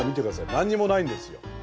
何にもないんですよ。